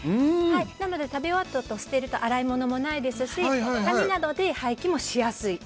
なので、食べ終わったあと捨てると洗い物もないですし紙なので廃棄もしやすい。